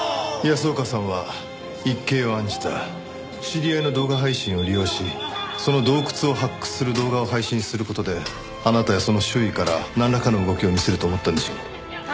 知り合いの動画配信を利用しその洞窟を発掘する動画を配信する事であなたやその周囲からなんらかの動きを見せると思ったんでしょう。